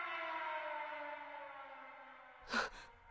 あっ！